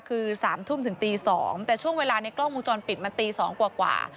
คือ๓ทุ่มถึงตี๒แต่ช่วงเวลาในกล้องวงจรปิดมันตี๒กว่า